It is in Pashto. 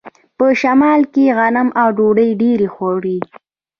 په شمال کې غنم او ډوډۍ ډیره خوري.